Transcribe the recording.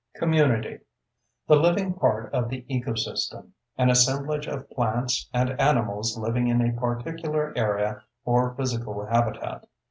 COMMUNITY: The living part of the ecosystem; an assemblage of plants and animals living in a particular area or physical habitat.